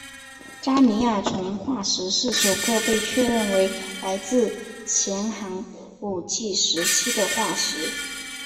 加尼亚虫化石是首个被确认为来自前寒武纪时期的化石。